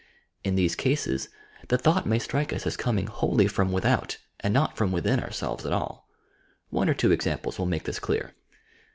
In these eases, the thought may strike us as coming wholly from without, and not from within our selves at a!l. One or two examples will make this clear.